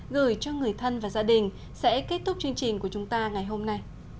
gửi cho người thân và gia đình sẽ kết thúc chương trình của chúng ta ngày hôm nay